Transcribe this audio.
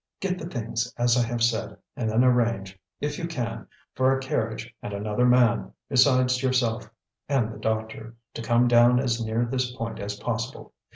Get the things, as I have said; and then arrange, if you can, for a carriage and another man, besides yourself and the doctor, to come down as near this point as possible.